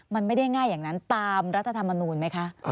มันไม่ได้ง่ายอย่างนั้นตามรัฐธรรมนูลไหมคะ